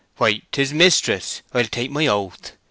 "Why, 'tis mistress—I'll take my oath!"